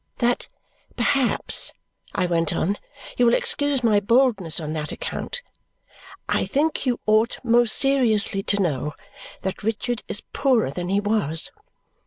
" That perhaps," I went on, "you will excuse my boldness on that account. I think you ought most seriously to know that Richard is poorer than he was."